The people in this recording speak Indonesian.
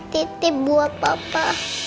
titi buat papa